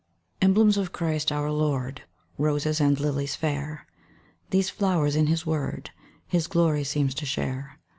Emblems of Christ our Lord, Roses and lilies fair, These flowers in His word, His glory seem to share.